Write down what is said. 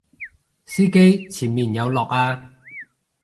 司機前面有落啊！